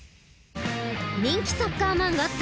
人気サッカー漫画